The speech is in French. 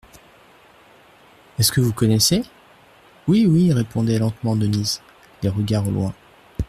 Est-ce que vous connaissez ? Oui, oui, répondait lentement Denise, les regards au loin.